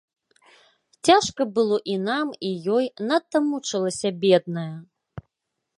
Цяжка было і нам, і ёй, надта мучылася бедная.